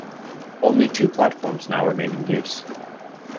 Only two platforms now remain in use.